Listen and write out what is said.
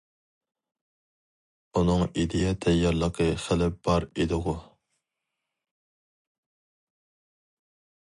ئۇنىڭ ئىدىيە تەييارلىقى خىلى بار ئىدىغۇ؟ !